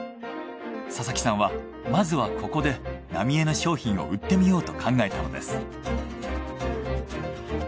佐々木さんはまずはここで浪江の商品を売ってみようと考えたのです。